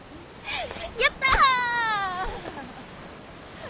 やった！